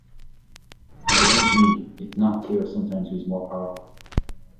And believe me, it's not clear sometimes who's more powerful.